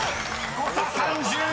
［誤差３２！］